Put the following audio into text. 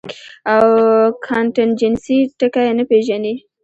او کانټنجنسي ټکے نۀ پېژني -